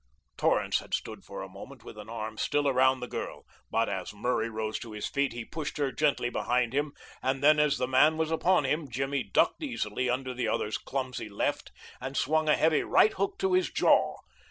Torrance had stood for a moment with an arm still around the girl; but as Murray rose to his feet he pushed her gently behind him, and then as the man was upon him Jimmy ducked easily under the other's clumsy left and swung a heavy right hook to his jaw.